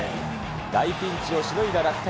大ピンチをしのいだ楽天。